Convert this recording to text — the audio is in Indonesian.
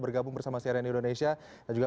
bergabung bersama siaran indonesia dan juga